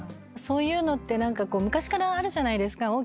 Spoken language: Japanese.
そういうのって昔からあるじゃないですか。